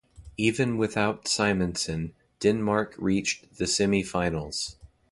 Even without Simonsen, Denmark reached the semi-finals.